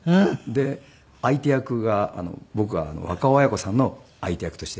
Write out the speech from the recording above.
で相手役が僕若尾文子さんの相手役として出ていて。